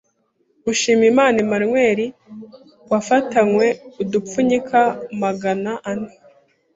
Mushimiyimana Emmanuel wafatanwe udupfunyika Magana ane